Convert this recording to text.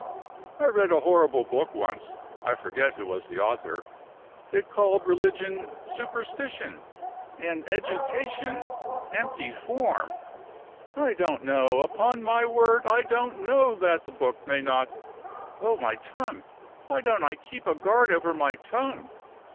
I read a horrible book once (I forget who was the author); it called religion superstition, and education empty form. I don't know; upon my word I don't know that the book may not Oh, my tongue! Why don't I keep a guard over my tongue?